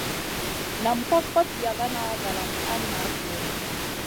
Nam ka kot yagana valam a na dura.